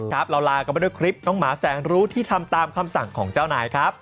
เราลากันไปด้วยคลิปน้องหมาแสนรู้ที่ทำตามคำสั่งของเจ้านายครับ